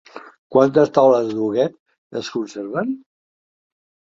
Quantes taules d'Huguet es conserven?